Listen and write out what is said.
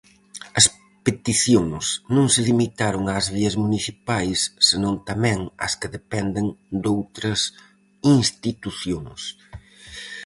As peticións non se limitaron ás vías municipais, senón tamén ás que dependen doutras institucións.